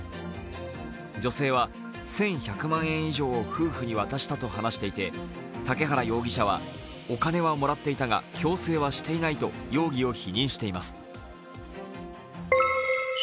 女性は１１００万円以上を夫婦に渡したと話していて嵩原容疑者はお金はもらっていたが強制はしていないと容疑を否認しています。